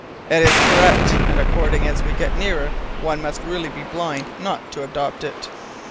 "It is correct, and according as we get nearer one must really be blind not to adopt it!"